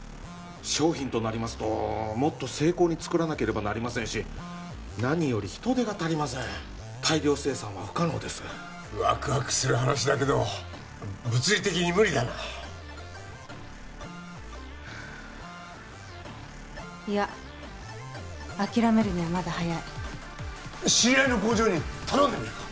商品となりますともっと精巧に作らなければなりませんし何より人手が足りません大量生産は不可能ですワクワクする話だけど物理的に無理だないや諦めるにはまだ早い知り合いの工場に頼んでみるか？